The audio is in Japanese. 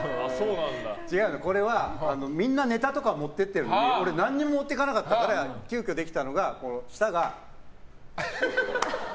違う、これはみんなネタとか持っていってるのに俺、何にも持っていかなかったから急きょできたのがこう、舌が。